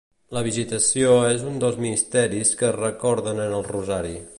La Visitació és un dels misteris que es recorden en el rosari.